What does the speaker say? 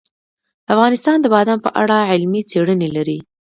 افغانستان د بادام په اړه علمي څېړنې لري.